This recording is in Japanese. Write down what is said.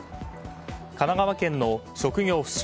神奈川県の職業不詳